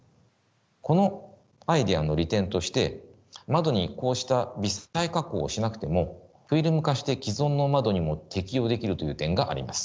このアイデアの利点として窓にこうした微細加工をしなくてもフィルム化して既存の窓にも適用できるという点があります。